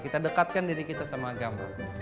kita dekatkan diri kita sama agama